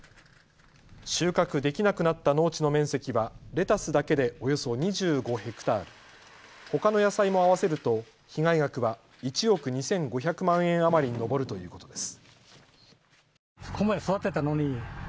収穫できなくなった農地の面積はレタスだけでおよそ２５ヘクタール、ほかの野菜も合わせると被害額は１億２５００万円余りに上るということです。